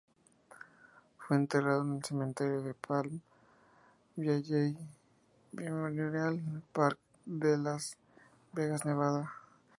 Fue enterrado en el Cementerio Palm Valley View Memorial Park de Las Vegas, Nevada.